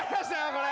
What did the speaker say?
これ。